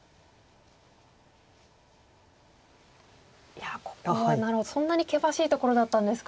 いやここはそんなに険しいところだったんですか。